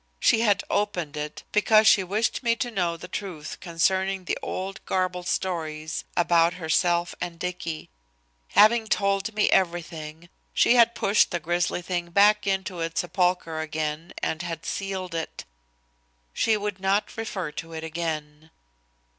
She had opened it because she wished me to know the truth concerning the old garbled stories about herself and Dicky. Having told me everything, she had pushed the grisly thing back into its sepulchre again and had sealed it. She would not refer to it again.